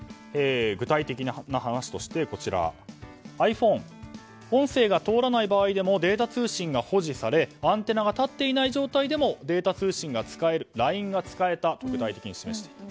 具体的な話としてｉＰｈｏｎｅ音声が通らない場合でもデータ通信が保持されアンテナが立っていない状態でもデータ通信が使えるＬＩＮＥが使えたと具体的に示している。